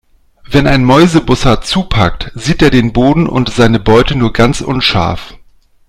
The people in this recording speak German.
Wenn ein Mäusebussard zupackt, sieht er den Boden und seine Beute nur ganz unscharf.